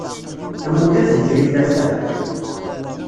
Amulab ikker i llafɛa.